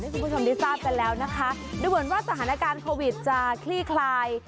คุณผู้ชมได้ทราบกันแล้วนะคะดูเหมือนว่าสถานการณ์โควิดจะคลี่คลาย